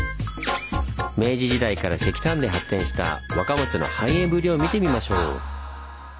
明治時代から石炭で発展した若松の繁栄ぶりを見てみましょう。